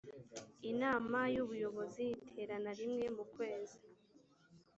inama y’ubuyobozi iterana rimwe mu kwezi